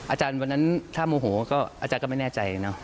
อาจารย์วันนั้นถ้าโมโหก็อาจารย์ก็ไม่แน่ใจเนอะ